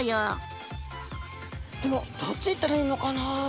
でもどっち行ったらいいのかな？